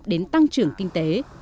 đến tăng trưởng kinh tế